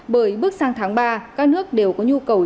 bởi bước sang tháng ba các nước đều có nhu cầu